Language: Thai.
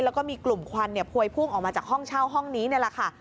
แล้วก็มีกลุ่มควันพวยพุ่งออกมาจากห้องเช่าห้องนี้นี่แหละค่ะ